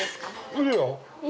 ◆いいよ。